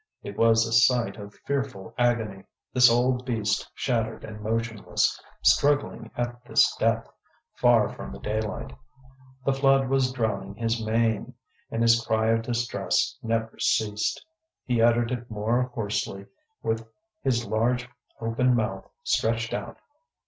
It was a sight of fearful agony, this old beast shattered and motionless, struggling at this depth, far from the daylight. The flood was drowning his mane, and his cry of distress never ceased; he uttered it more hoarsely, with his large open mouth stretched out.